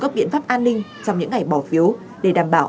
các biện pháp an ninh trong những ngày bỏ phiếu để đảm bảo